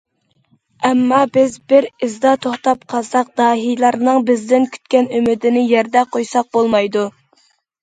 ئەمما، بىز بىر ئىزدا توختاپ قالساق، داھىيلارنىڭ بىزدىن كۈتكەن ئۈمىدىنى يەردە قويساق بولمايدۇ.